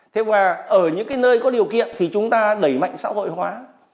thế mà ở những cái nơi có điều kiện thì chúng ta đẩy mạnh xã hội hóa